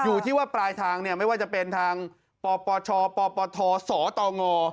อยู่ที่ว่าปลายทางเนี่ยไม่ว่าจะเป็นทางปปชปปทสตง